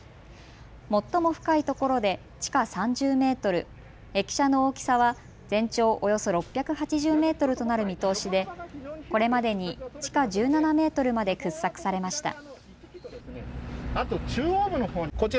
最も深いところで地下３０メートル、駅舎の大きさは全長およそ６８０メートルとなる見通しでこれまでに地下１７メートルまで掘削されました。